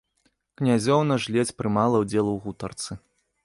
Князёўна ж ледзь прымала ўдзел у гутарцы.